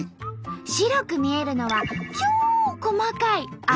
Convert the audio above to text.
白く見えるのは超細かい泡！